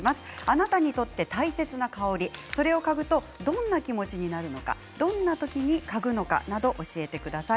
あなたにとって大切な香り作業を嗅ぐとどんな気持ちになるとかどんな時に嗅ぐのかなど教えてください。